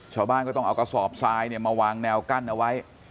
ชาวบ้านก็ต้องเอากระสอบทรายมาวางแนวกั้นเอาไว้